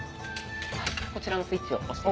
こちらのスイッチを押して。